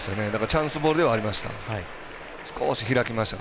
チャンスボールではありました。